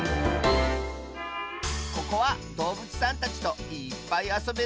ここはどうぶつさんたちといっぱいあそべるぼくじょうだよ。